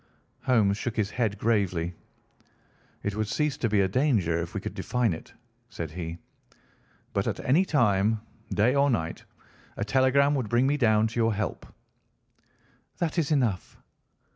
Holmes shook his head gravely. "It would cease to be a danger if we could define it," said he. "But at any time, day or night, a telegram would bring me down to your help." "That is enough."